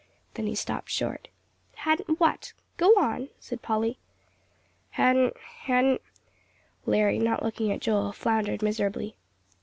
Then he stopped short. "Hadn't what? Go on," said Polly. "Hadn't hadn't " Larry, not looking at Joel, floundered miserably.